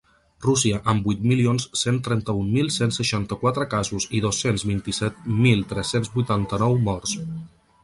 Rússia, amb vuit milions cent trenta-un mil cent seixanta-quatre casos i dos-cents vint-i-set mil tres-cents vuitanta-nou morts.